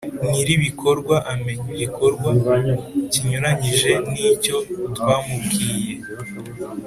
Nyir ibikorwa amenye igikorwa kinyuranyije nicyo twamubwiye